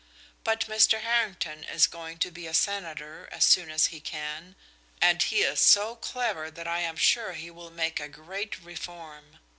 But Mr. Harrington is going to be a senator as soon as he can, and he is so clever that I am sure he will make a great reform.